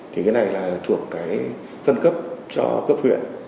thì cái này là thuộc cái phân cấp cho cấp huyện